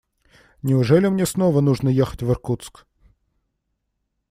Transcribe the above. Неужели мне снова нужно ехать в Иркутск?